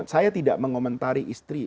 saya tidak mengomentari istri